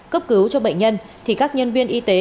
cấp cứu cho bệnh nhân thì các nhân viên y tế